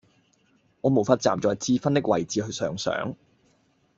我沒法站在智勳的位置上想